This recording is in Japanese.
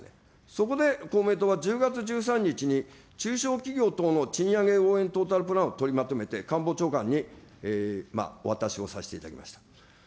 そこで公明党は１０月１３日に、中小企業等の賃上げ応援トータルプランを取りまとめて、官房長官にお渡しをさせていただきました。